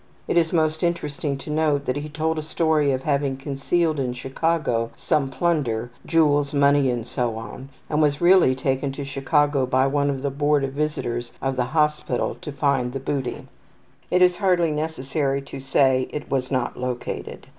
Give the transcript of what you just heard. It is most interesting to note that he told a story of having concealed in Chicago some plunder jewels, money, and so on and was really taken to Chicago by one of theBoard of Visitors of the hospital to find the booty. It is hardly necessary to say it was not located.